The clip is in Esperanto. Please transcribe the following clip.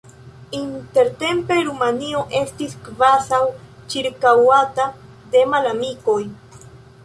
Intertempe Rumanio estis kvazaŭ ĉirkaŭata de malamikoj.